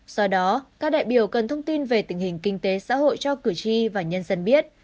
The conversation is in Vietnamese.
do đó các đại biểu cần thông tin về tình hình kinh tế xã hội cho cử tri và nhân dân biết